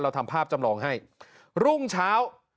ทำภาพจำลองให้รุ่งเช้า